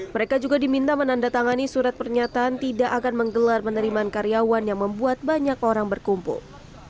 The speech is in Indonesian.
mereka juga diminta menandatangani surat pernyataan tidak akan menggelar penerimaan karyawan yang membuat banyak orang berkumpul